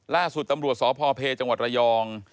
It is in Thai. ล่าสุดตำรวจสพเพจังหวัดระยอง